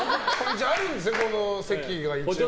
あるんですよ、補助席が一応。